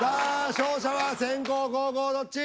勝者は先攻後攻どっち？